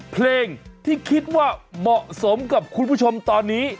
เพลงที่คิดว่าเหมาะสมกับคุณผู้ชมตอนนี้